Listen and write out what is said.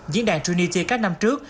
diễn đàn trinity các năm trước